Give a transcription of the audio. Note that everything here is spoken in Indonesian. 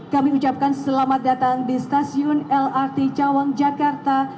kami ucapkan selamat datang di stasiun lrt cawang jakarta